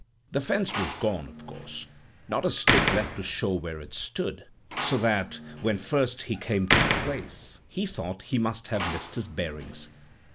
The fence was gone, of course; not a stick left to show where it stood; so that, when first he came to the place, he thought he must have missed his bearings.